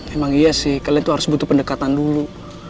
emang iya sih kalian itu harus butuh pendekatan dulu